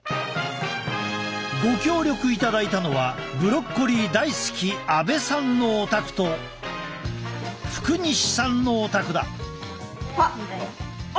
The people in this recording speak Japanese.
ご協力いただいたのはブロッコリー大好き阿部さんのお宅と福西さんのお宅だ。